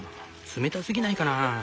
冷たすぎないかな？